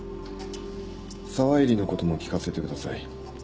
沢入のことも聞かせてください。